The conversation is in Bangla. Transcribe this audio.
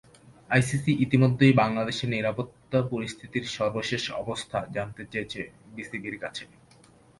আইসিসি ইতিমধ্যেই বাংলাদেশের নিরাপত্তা পরিস্থিতির সর্বশেষ অবস্থা জানতে চেয়েছে বিসিবির কাছে।